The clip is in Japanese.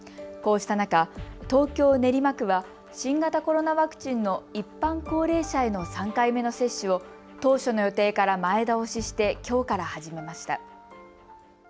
こうした中、東京練馬区は新型コロナワクチンの一般高齢者への３回目の接種を当初の予定から前倒ししてきょうから始めました。